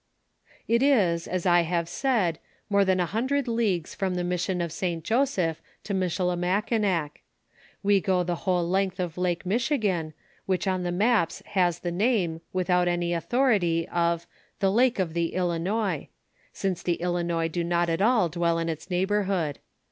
"It is, as I have sard, more than a hundred leagues from the mission of St Joseph to Michilimakinaa We go the whole length of Lake Michigan, which on the maps has the name, without any authority, of 'the lake of the Ilinois,' since the Ilinois do not at all dwell in its neighborhood.